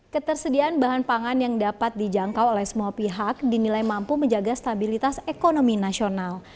ketersediaan bahan pangan yang dapat dijangkau oleh semua pihak dinilai mampu menjaga stabilitas ekonomi nasional